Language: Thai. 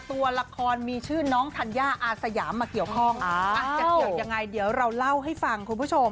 ตัวละครมีชื่อน้องธัญญาอาสยามมาเกี่ยวข้องจะเกี่ยวยังไงเดี๋ยวเราเล่าให้ฟังคุณผู้ชม